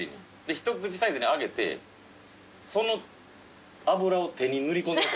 一口サイズにあげてその脂を手に塗り込んで。